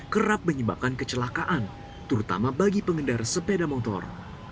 kerap menyebabkan kecelakaan terutama bagi pengendara sepeda motor